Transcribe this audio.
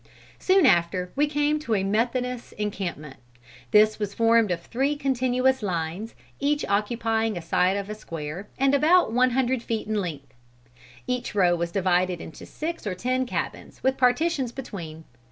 "Soon after we came to a Methodist encampment. This was formed of three continuous lines, each occupying a side of a square and about one hundred feet in length. Each row was divided into six or ten cabins with partitions between.